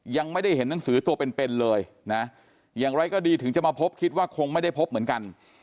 ยังไม่ได้เห็นหนังสือตัวเป็นเป็นเลยนะอย่างไรก็ดีถึงจะมาพบคิดว่าคงไม่ได้พบเหมือนกัน